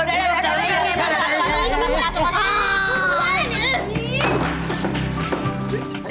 udah udah udah